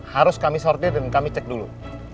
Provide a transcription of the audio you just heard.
harus kami sortir dan kami cek dulu